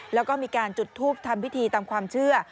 แล้วก็มีการจุดทูปทำพิธีตามความเชื่อ